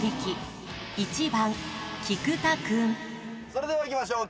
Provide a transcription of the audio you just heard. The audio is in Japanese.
それではいきましょう。